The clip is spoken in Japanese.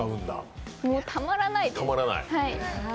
もうたまらないです。